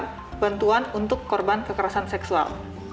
atau juga bantuan untuk korban kekerasan seksual